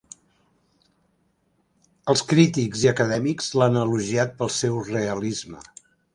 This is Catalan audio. Els crítics i acadèmics l'han elogiat pel seu realisme.